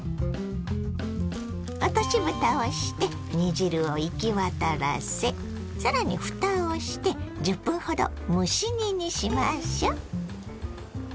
落としぶたをして煮汁を行き渡らせさらにふたをして１０分ほど蒸し煮にしましょ。